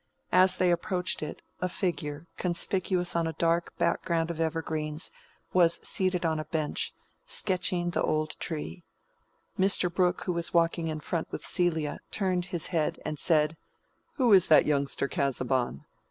As they approached it, a figure, conspicuous on a dark background of evergreens, was seated on a bench, sketching the old tree. Mr. Brooke, who was walking in front with Celia, turned his head, and said— "Who is that youngster, Casaubon?"